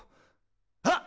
あっ！